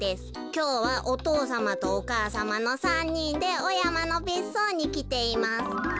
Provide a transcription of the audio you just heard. きょうはお父さまとお母さまの３にんでおやまのべっそうにきています。